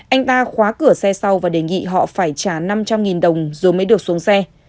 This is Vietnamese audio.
anh ta khóa cửa xe sau và đề nghị họ phải trả năm trăm linh đồng rồi mới được xuống xe